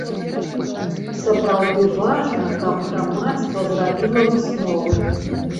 Сапраўды, важна, каб грамадства зрабіла высновы.